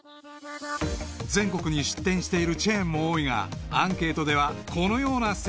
［全国に出店しているチェーンも多いがアンケートではこのような勢力図に］